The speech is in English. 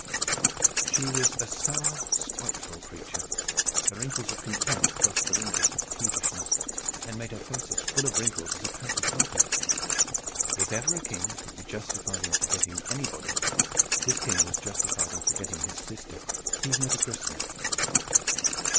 She was a sour, spiteful creature. The wrinkles of contempt crossed the wrinkles of peevishness, and made her face as full of wrinkles as a pat of butter. If ever a king could be justified in forgetting anybody, this king was justified in forgetting his sister, even at a christening.